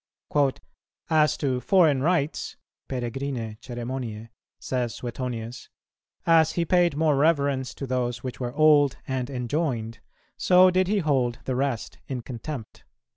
"As to foreign rites (peregrinæ ceremoniæ)," says Suetonius, "as he paid more reverence to those which were old and enjoined, so did he hold the rest in contempt."